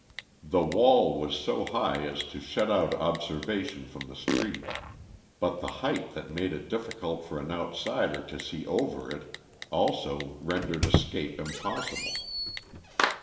The wall was so high as to shut out observation from the street, but the height that made it difficult for an outsider to see over it also rendered escape impossible.